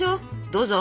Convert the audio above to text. どうぞ！